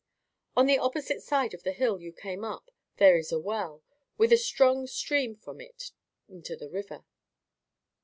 "On the opposite side of the hill you came up there is a well, with a strong stream from it into the river."